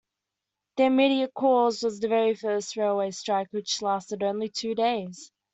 Their immediate cause was the very first Railway Strike which lasted only two days.